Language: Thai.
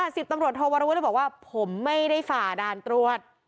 สิบตำรวจโทวรวุฒิบอกว่าผมไม่ได้ฝ่าด่านตรวจ